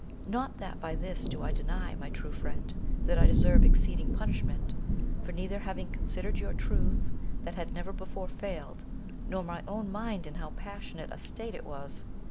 Not that by this do I deny, my true friend, that I deserve exceeding punishment, for neither having considered your truth, that had never before failed, nor my own mind in how passionate a state it was.